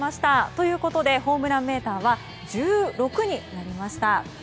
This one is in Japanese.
ということでホームランメーターは１６になりました。